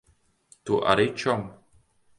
Tu arī, čom.